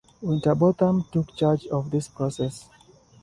Winterbotham took charge of this process.